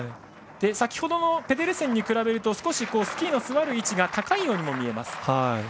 先ほどのペデルセンに比べると少しスキーの座る位置が高いようにも見えます。